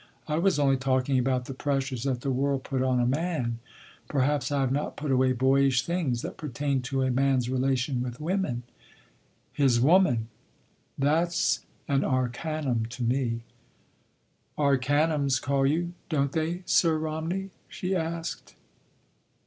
I was only talking about the pressures that the world put on a man. Perhaps I have not put away boyish things that pertain to a man’s relation with women, his woman. That’s an arcanum to me—" "Arcanums call you, don’t they, Sir Romney?" she asked.